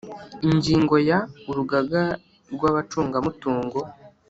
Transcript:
Ingingo ya Urugaga rw abacungamutungo